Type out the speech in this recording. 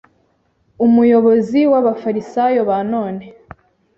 Umuyobozi w'Abafarisayo ba none